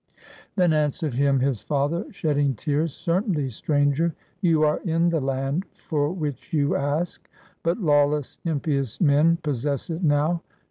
Then answered him his father, shedding tears; "Cer tainly, stranger, you are in the land, for which you ask; but lawless impious men possess it now.